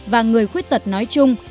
và người khuyết tật nói chung